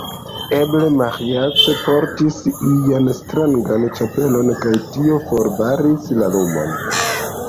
Eble, Maĥiac portis ian strangan ĉapelon, kaj tio forbaris la lumon.